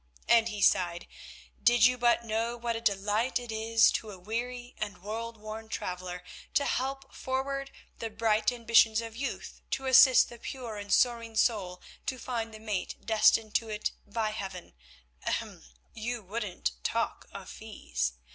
and he sighed, "did you but know what a delight it is to a weary and world worn traveller to help forward the bright ambitions of youth, to assist the pure and soaring soul to find the mate destined to it by heaven—ehem!—you wouldn't talk of fees.